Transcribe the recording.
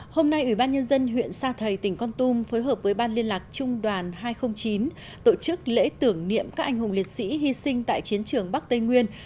hôm nay ủy ban nhân dân huyện sa thầy tỉnh con tum phối hợp với ban liên lạc trung đoàn hai trăm linh chín tổ chức lễ tưởng niệm các anh hùng liệt sĩ hy sinh tại chiến trường bắc tây nguyên